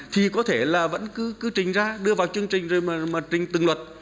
thì có thể là vẫn cứ trình ra đưa vào chương trình rồi mà trình từng luật